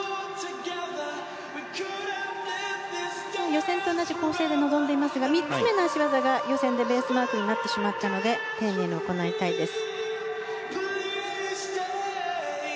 予選と同じ構成で臨んでいますが３つ目の脚技が予選でベースマークになってしまったので丁寧に行いたいです。